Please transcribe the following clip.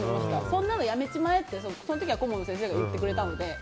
そんなのやめちまえってその時は顧問の先生が言ってくれたので。